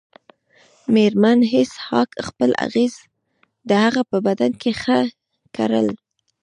میرمن هیج هاګ خپل اغزي د هغه په بدن کې ښخ کړل